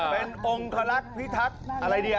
เป็นองค์คลักษณ์พิทักษ์